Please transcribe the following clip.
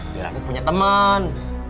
dan aku punya teman